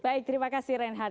baik terima kasih reinhard